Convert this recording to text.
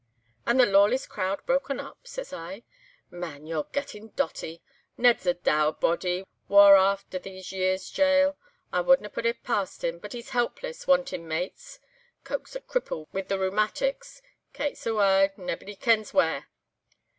"'And the Lawless crowd broken up?' says I. 'Man! ye're gettin' dotty. Ned's a dour body, waur after these years' gaol. I wadna put it past him, but he's helpless, wantin' mates. Coke's a cripple with the rheumatics. Kate's awa, naebody kens where.